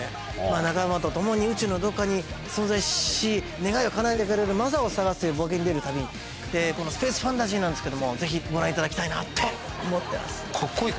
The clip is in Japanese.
仲間と共に宇宙のどこかに存在し願いをかなえてくれる魔女を探すという冒険に出る旅でスペースファンタジーなんですけどもぜひご覧いただきたいなと思ってます。